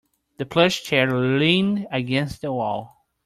The plush chair leaned against the wall.